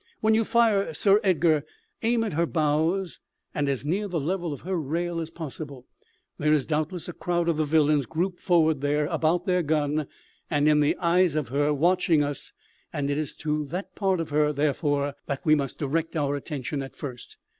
When you fire, Sir Edgar, aim at her bows, and as near the level of her rail as possible; there is doubtless a crowd of the villains grouped forward there about their gun, and in the eyes of her, watching us, and it is to that part of her, therefore, that we must direct our attention at first.